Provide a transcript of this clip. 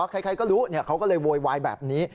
ใครก็รู้เขาก็เลยโวยวายแบบนี้